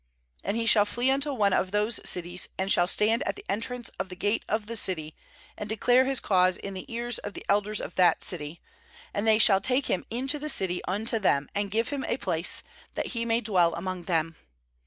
4And he shall flee unto one of those cities, and shall stand at the entrance _ of the gate of the city, and declare his cause in the ears of the elders of that city; and they shall take him into the city unto them, and give him a place, that he may dwell among them.